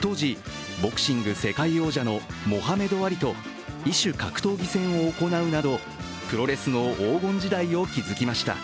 当時ボクシング世界王者のモハメド・アリと異種格闘技戦を行うなど、プロレスの黄金時代を築きました。